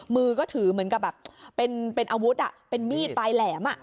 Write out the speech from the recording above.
มือก็ถือเหมือนกับแบบเป็นอาวุธเป็นมีดปลายแหลม